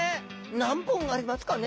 何本ありますかね？